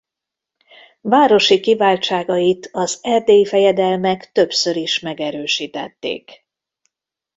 Városi kiváltságait az erdélyi fejedelmek többször is megerősítették.